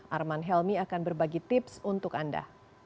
arman helmi akan berbagi tips untuk anda